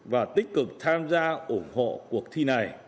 và tích cực tham gia cuộc thi